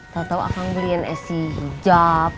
tau tau akang beliin es hijab